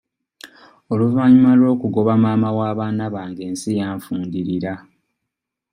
Oluvannyuma lw'okugoba maama w'abaana bange ensi yanfundirira.